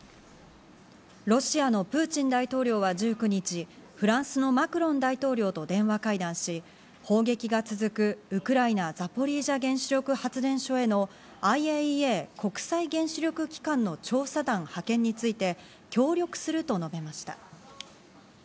ロシアのプーチン大統領は１９日、フランスのマクロン大統領と電話会談し、砲撃が続くウクライナ・ザポリージャ原子力発電所へのＩＡＥＡ＝国際原子力機関の調査団派遣について協力すると述べました。